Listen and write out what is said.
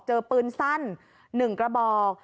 เจอปืนสั้น๑กระบอก